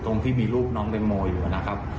ที่มีรูปน้องแตงโมอยู่นะครับ